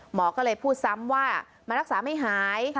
หมอก็เลยพูดซ้ำว่ามันรักษาไม่หาย